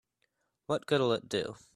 What good'll it do?